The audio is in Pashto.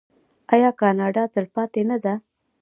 آیا کاناډا تلپاتې نه ده؟